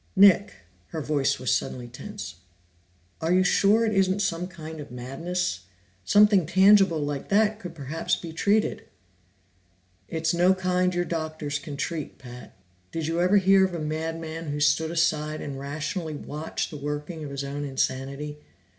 "Nick " Her voice was suddenly tense. "Are you sure it isn't some kind of madness? Something tangible like that could perhaps be treated." "It's no kind your doctors can treat, Pat. Did you ever hear of a madman who stood aside and rationally watched the working of his own insanity?